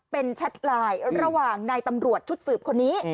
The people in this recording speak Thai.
เป็นแชทไลน์ระหว่างนายตำรวจชุดสืบคนนี้